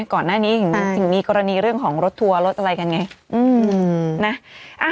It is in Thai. ก่อนหน้านี้ถึงมีกรณีเรื่องของรถทัวร์รถอะไรกันไง